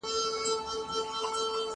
مېوې د زهشوم له خوا خورل کيږي؟!